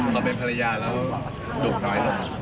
พอเป็นภรรยาแล้วดูดน้อยหน่อย